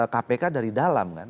kpk dari dalam kan